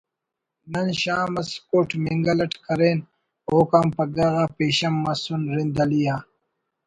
نن شام اس کوٹ مینگل اٹ کرین اوکان پگہ غا پیشن مسن رند علی آ